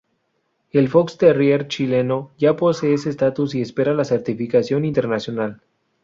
El fox terrier chileno ya posee ese estatus y espera la certificación internacional.